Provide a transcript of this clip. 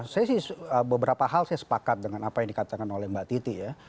saya sih beberapa hal saya sepakat dengan apa yang dikatakan oleh mbak titi ya